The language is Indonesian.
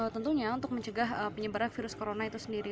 tentunya untuk mencegah penyebaran virus corona itu sendiri